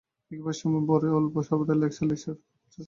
লিখিবার সময় বড়ই অল্প, সর্বদাই লেকচার, লেকচার, লেকচার।